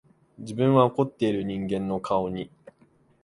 自分は怒っている人間の顔に、